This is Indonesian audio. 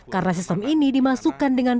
karena sistem ini dimasukkan dengan